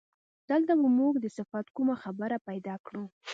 دلته به موږ د صفت کومه خبره پیدا کړو.